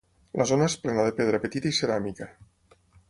La zona és plena de pedra petita i ceràmica.